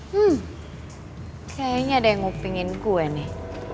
hmm kayaknya ada yang mau pingin kue nih